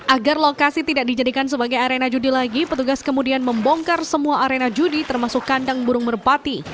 agar lokasi tidak dijadikan sebagai arena judi lagi petugas kemudian membongkar semua arena judi termasuk kandang burung merpati